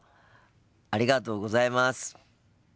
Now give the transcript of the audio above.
ありがとうございます。